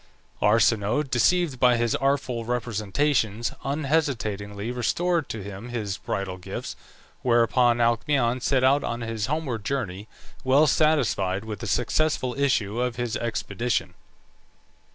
Arsinoe, deceived by his artful representations, unhesitatingly restored to him his bridal gifts, whereupon Alcmaeon set out on his homeward journey, well satisfied with the successful issue of his expedition.